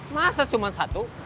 masa cuma satu